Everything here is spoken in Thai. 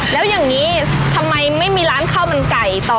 แล้วอย่างนี้ทำไมไม่มีร้านข้าวมันไก่ต่อ